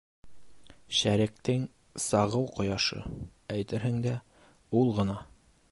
Шәреҡтең сағыу ҡояшы, әйтерһең дә, ул ғына